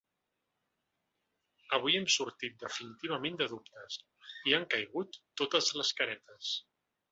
Avui hem sortit definitivament de dubtes i han caigut totes les caretes.